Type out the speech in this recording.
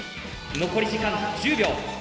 残り時間１０秒。